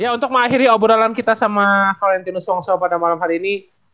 ya untuk mengakhiri obrolan kita sama valentinus wongso pada malam hari ini